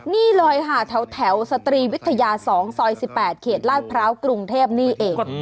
นี่เลยค่ะแถวสตรีวิทยา๒ซอย๑๘เขตลาดพร้าวกรุงเทพนี่เอง